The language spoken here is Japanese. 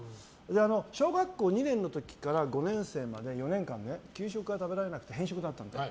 小学校２年の時から５年生までの４年間、給食が食べられなくて偏食だったので。